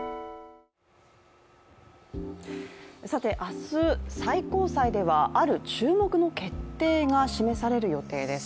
明日、最高裁ではある注目の決定が示される予定です。